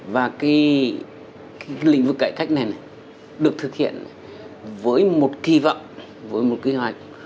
và cái lĩnh vực cải cách này được thực hiện với một kỳ vọng với một kỳ hoạch